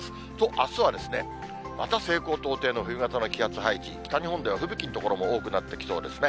あすはまた西高東低の冬型の気圧配置、北日本では吹雪の所も多くなってきそうですね。